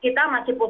karena di triwunnya